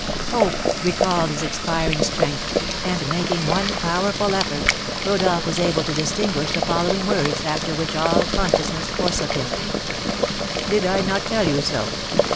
Hope recalled his expiring strength, and, making one powerful effort, Rodolph was able to distinguish the following words, after which all consciousness forsook him: "Did I not tell you so?